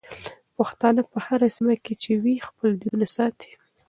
پښتانه په هره سيمه کې چې وي خپل دودونه ساتي.